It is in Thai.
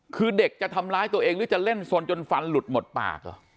คือเด็กจะทำร้ายตัวเองหรือจะเล่นสนจนฟันหลุดหมดปากเหรอ